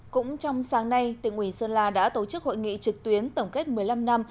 cũng trong sáng nay tỉnh ủy sơn la đã tổ chức hội nghị trực tuyến tổng kết một mươi năm năm